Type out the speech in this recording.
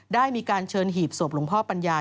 ได้มีการเชิญหีบศพหลวงพ่อปัญญา